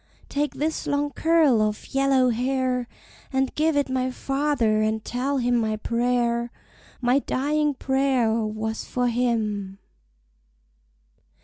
Take this long curl of yellow hair, And give it my father, and tell him my prayer, My dying prayer, was for him."